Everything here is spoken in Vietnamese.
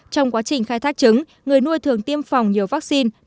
trong quá trình khai thác trứng người nuôi thường tiêm phòng nhiều vaccine